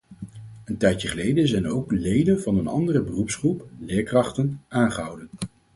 Een tijdje geleden zijn ook leden van een andere beroepsgroep, leerkrachten, aangehouden.